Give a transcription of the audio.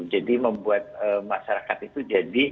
jadi membuat masyarakat itu jadi